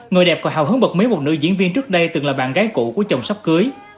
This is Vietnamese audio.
người đẹp còn hào hứng bật mấy một nữ diễn viên trước đây từng là bạn gái cũ của chồng sắp cưới